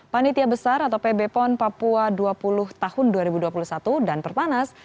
panitia besar atau pb pon papua dua puluh tahun dua ribu dua puluh satu dan perpanas